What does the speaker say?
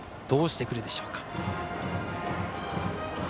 どうしてくるでしょうか。